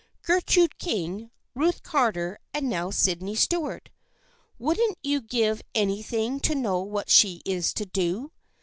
Gertrude King, Ruth Carter and now Sydney Stuart. Wouldn't you give any thing to know what she is to do